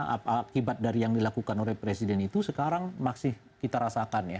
akibat dari yang dilakukan oleh presiden itu sekarang masih kita rasakan ya